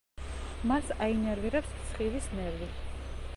მას აინერვირებს სხივის ნერვი.